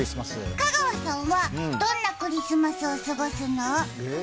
香川さんはどんなクリスマスを過ごすの？